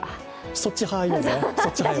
そっち派よね。